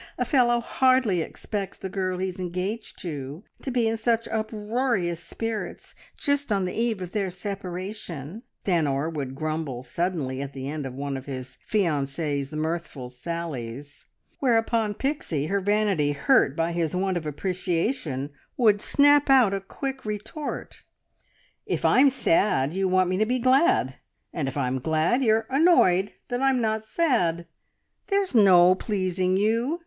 A fellow hardly expects the girl he's engaged to, to be in such uproarious spirits just on the eve of their separation," Stanor would grumble suddenly at the end of one of his fiancee's mirthful sallies, whereupon Pixie, her vanity hurt by his want of appreciation, would snap out a quick retort. "If I'm sad you want me to be glad, and if I'm glad you're annoyed that I'm not sad! There's no pleasing you!